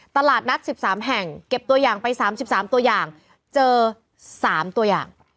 ตลาดนัด๑๓แห่งเก็บตัวอย่างไป๓๓ตัวอย่างเจอ๓ตัวอย่าง